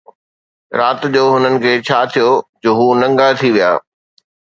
رات جو هنن کي ڇا ٿيو جو هو ننگا ٿي ويا